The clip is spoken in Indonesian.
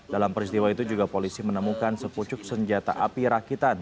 dalam peristiwa itu juga polisi menemukan sepucuk senjata api rakitan